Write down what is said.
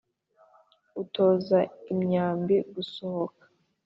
Utoza imyambi gusohoka